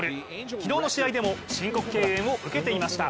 昨日の試合でも申告敬遠を受けていました。